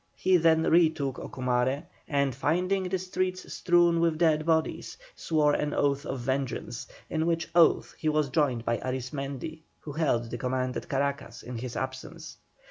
He then re took Ocumare, and finding the streets strewn with dead bodies, swore an oath of vengeance, in which oath he was joined by Arismendi, who held the command at Caracas in his absence.